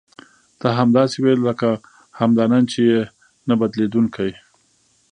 ته همداسې وې لکه همدا نن چې یې نه بدلېدونکې.